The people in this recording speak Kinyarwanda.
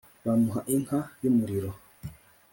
bamuha inka y' umuriro.